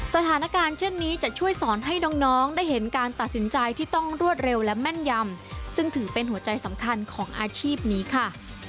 สถานการณ์เช่นนี้จะช่วยสอนให้น้องได้เห็นการตัดสินใจที่ต้องรวดเร็วและแม่นยำซึ่งถือเป็นหัวใจสำคัญของอาชีพนี้ค่ะ